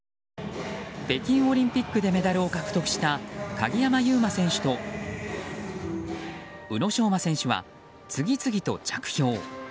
北京オリンピックでメダルを獲得した鍵山優真選手と宇野昌磨選手は次々と着氷。